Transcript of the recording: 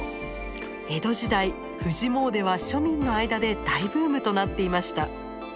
江戸時代富士詣では庶民の間で大ブームとなっていました。